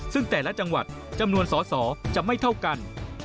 ซึ่งแต่ละจังหวัดจำนวนสอสอจะไม่เท่ากัน